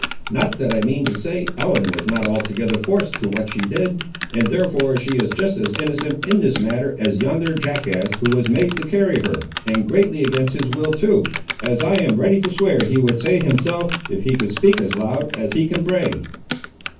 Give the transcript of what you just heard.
Not that I mean to say Ellen was not altogether forced to what she did, and therefore she is just as innocent, in this matter, as yonder jackass, who was made to carry her, and greatly against his will, too, as I am ready to swear he would say himself, if he could speak as loud as he can bray."